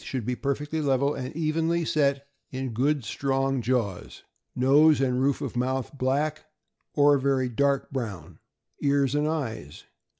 485 should be perfectly level and evenly set in good, strong jaws. Nose and roof of mouth black, or very dark brown. Ears and eyes.